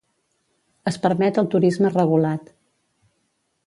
Es permet el turisme regulat.